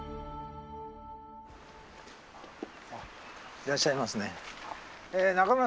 いらっしゃいますね。